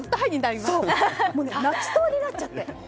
泣きそうになっちゃって。